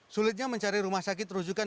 sulitnya mencari rumah sakit rujukan